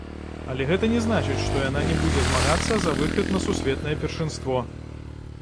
Але гэта не значыць, што яна не будзе змагацца за выхад на сусветнае першынство.